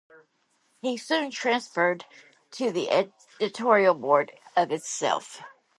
He soon transferred to the editorial board of itself.